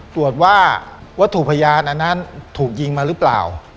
ตรวจว่าวัตถุพยานอันนั้นถูกยิงมาหรือเปล่า